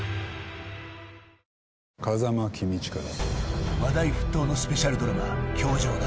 「風間公親だ」